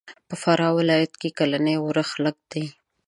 په فراه ولایت کښې کلنی اورښت لږ دی.